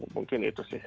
mungkin itu sih